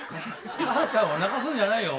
母ちゃんを泣かすんじゃないよ。